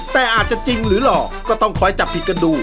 แต่อาจจะจริงหรือหลอกก็ต้องคอยจับผิดกันดู